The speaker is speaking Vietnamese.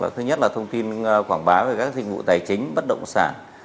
thứ nhất là thông tin quảng bá về các dịch vụ tài chính bất động sản